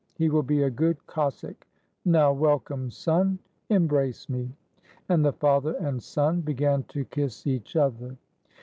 He will be a good Cossack! Now, welcome, son! embrace me"; and the father and son began to kiss each other.